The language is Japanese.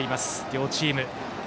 両チーム。